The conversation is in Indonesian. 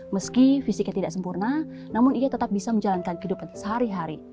meski fisiknya tidak sempurna namun ia tetap bisa menjalankan kehidupan sehari hari